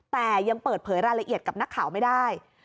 แต่ยังเปิดเผยรายละเอียดกับนักข่าวไม่ได้